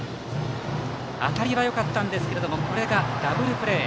当たりはよかったんですがこれがダブルプレー。